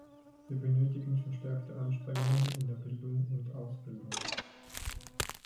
Wir benötigen verstärkte Anstrengungen in der Bildung und Ausbildung.